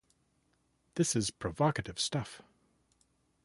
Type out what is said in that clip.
This is provocative stuff.